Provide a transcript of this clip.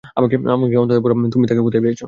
আমাকে অন্তত বলো তুমি তাকে কোথায় পেয়েছ।